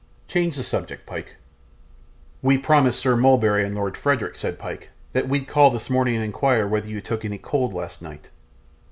Change the subject, Pyke.' 'We promised Sir Mulberry and Lord Frederick,' said Pyke, 'that we'd call this morning and inquire whether you took any cold last night.